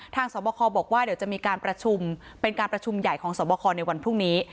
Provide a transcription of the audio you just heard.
สวบคบอกว่าเดี๋ยวจะมีการประชุมเป็นการประชุมใหญ่ของสวบคในวันพรุ่งนี้